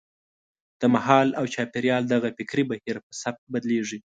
د مهال او چاپېریال دغه فکري بهیر په سبک بدلېږي.